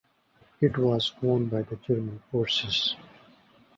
It was won by the German forces.